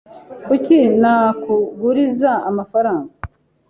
Kuki nakuguriza amafaranga?